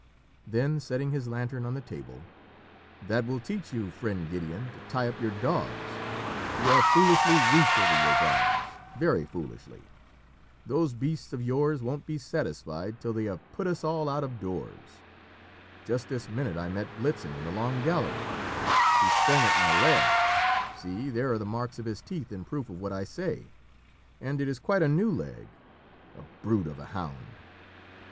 Then setting his lantern on the table "That will teach you, friend Gideon, to tie up your dogs. You are foolishly weak over your dogs very foolishly. Those beasts of yours won't be satisfied till they have put us all out of doors. Just this minute I met Blitzen in the long gallery: he sprang at my leg see there are the marks of his teeth in proof of what I say; and it is quite a new leg a brute of a hound!"